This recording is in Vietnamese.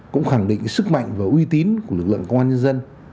cũng khẳng định sức mạnh và uy tín của lực lượng công an nhân dân